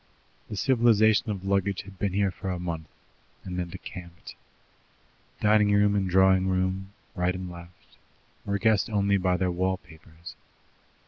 The civilization of luggage had been here for a month, and then decamped. Dining room and drawing room right and left were guessed only by their wall papers.